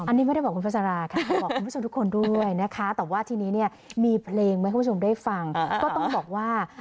ในอากาศอย่ายอมแพ้นะคะ